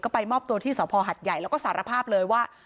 ไปมอบตัวที่สภหัดใหญ่แล้วก็สารภาพเลยว่า